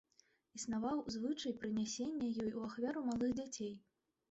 Існаваў звычай прынясення ёй у ахвяру малых дзяцей.